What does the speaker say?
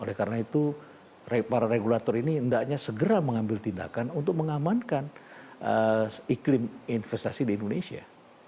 oleh karena itu para regulator ini hendaknya segera mengambil tindakan untuk mengamankan iklim investasi di indonesia